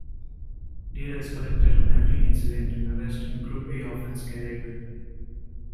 Data is collected on every incident and arrest in the Group A offense category.